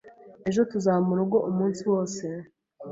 Ejo tuzaba murugo umunsi wose.